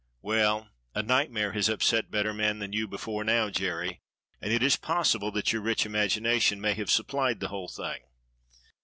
Well, a nightmare has upset better men than you before now, Jerry, and it is possible that your rich imagination may have supplied the whole thing.